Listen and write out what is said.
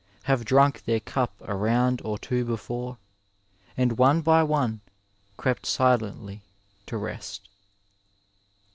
Have drank their Cap a Roond or two before. And one by one crept silently to rest.